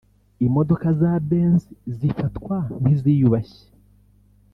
Imodoka za Benz zifatwa nk’iziyubashye